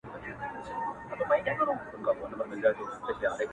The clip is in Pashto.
تېره جنازه سوله اوس ورا ته مخامخ يمه ـ